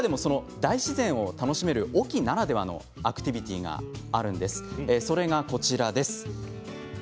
中でも、大自然で楽しめる隠岐ならではのアクティビティーがあります。